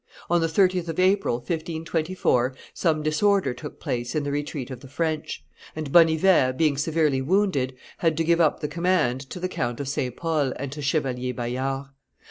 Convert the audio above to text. On the 30th of April, 1524, some disorder took place in the retreat of the French; and Bonnivet, being severely wounded, had to give up the command to the Count of St. Pol and to Chevalier Bayard.